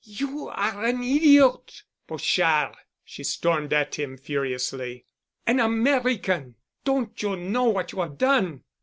"You are an idiot, Pochard," she stormed at him furiously. "An American! Don't you know what you have done?